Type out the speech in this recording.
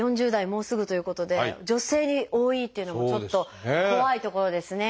もうすぐということで女性に多いっていうのもちょっと怖いところですね。